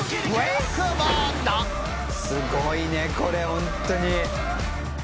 「すごいねこれホントに」